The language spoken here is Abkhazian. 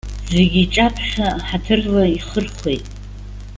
Зегьы иҿаԥхьа ҳаҭырла ихырхәеит.